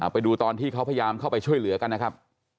ไปดูตอนที่เขาพยายามเข้าไปช่วยเหลือกันนะครับ